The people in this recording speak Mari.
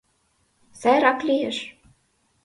Сайрак лиеш!